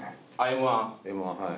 Ｍ−１はい。